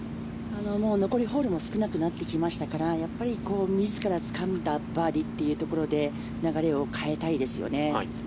残りホールも少なくなってきましたから自らつかんだバーディーというところで流れを変えたいですよね。